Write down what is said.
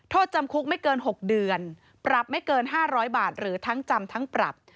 โทษจำคุกไม่เกิน๖เดือนปรับไม่เกิน๕๐๐บาทหรือทั้งจำทั้งปรับ